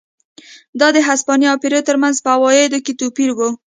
دا د هسپانیا او پیرو ترمنځ په عوایدو کې توپیر و.